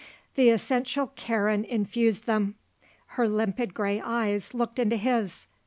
The essential Karen infused them. Her limpid grey eyes looked into his.